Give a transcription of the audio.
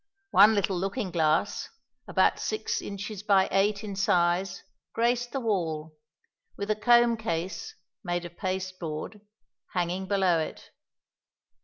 One little looking glass, about six inches by eight in size, graced the wall, with a comb case, made of pasteboard, hanging below it.